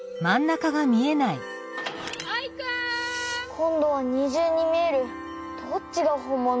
こんどは２じゅうにみえるどっちがほんもの？